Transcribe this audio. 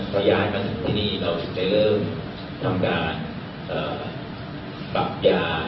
พยายามมาถึงที่นี่เราจะเริ่มทำการปรับยา